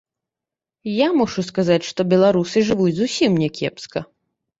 Я мушу сказаць, што беларусы жывуць зусім не кепска.